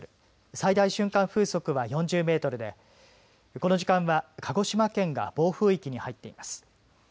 最大瞬間風速は４０メートルでこの時間は鹿児島県が暴風域に入っています。